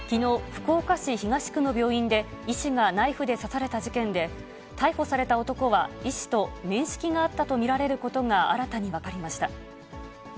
福岡市東区の病院で、医師がナイフで刺された事件で、逮捕された男は医師と面識があったと見られることが新たに分かりました。